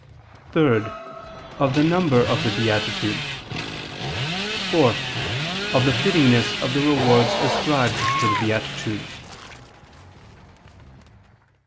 (3) Of the number of the beatitudes; (4) Of the fittingness of the rewards ascribed to the beatitudes.